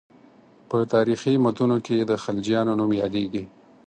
په تاریخي متونو کې د خلجیانو نوم یادېږي.